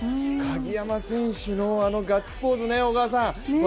鍵山選手のガッツポーズね、小川さん